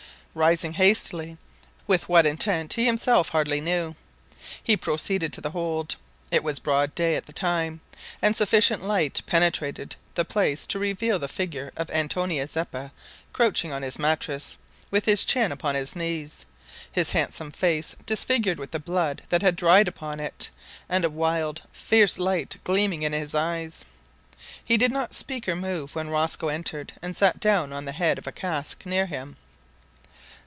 Rising hastily with what intent he himself hardly knew he proceeded to the hold. It was broad day at the time, and sufficient light penetrated the place to reveal the figure of Antonio Zeppa crouching on his mattress, with his chin upon his knees, his handsome face disfigured with the blood that had dried upon it, and a wild, fierce light gleaming in his eyes. He did not speak or move when Rosco entered and sat down on the head of a cask near him.